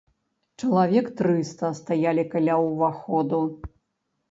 Чалавек трыста стаялі каля ўваходу.